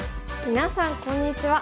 みなさんこんにちは。